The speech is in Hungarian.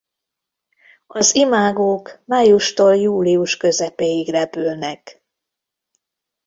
Az imágók májustól július közepéig repülnek.